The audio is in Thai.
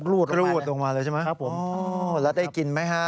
รูดรูดลงมาเลยใช่ไหมครับผมแล้วได้กินไหมฮะ